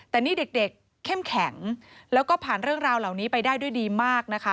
แต่นี่เด็กเข้มแข็งแล้วก็ผ่านเรื่องราวเหล่านี้ไปได้ด้วยดีมากนะคะ